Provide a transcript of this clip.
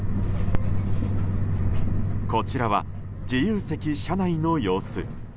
こちらは、自由席車内の様子。